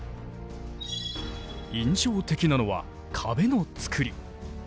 印象的なのは壁の造り。